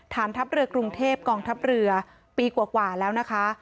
ทัพเรือกรุงเทพกองทัพเรือปีกว่าแล้วนะคะ